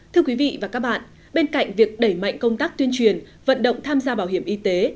thưa quý vị và các bạn bên cạnh việc đẩy mạnh công tác tuyên truyền vận động tham gia bảo hiểm y tế